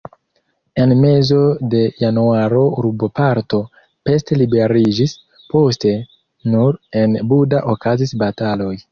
En mezo de januaro urboparto Pest liberiĝis, poste nur en Buda okazis bataloj.